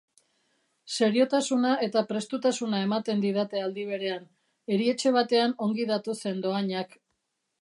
Seriotasuna eta prestutasuna ematen didate aldi berean, erietxe batean ongi datozen dohainak.